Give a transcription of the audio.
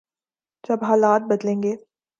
جب حالات بدلیں گے۔